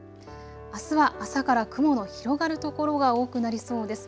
あすは朝から雲の広がる所が多くなりそうです。